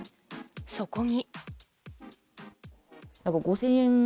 そこに。